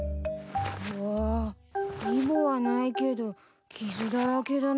うわイボはないけど傷だらけだな。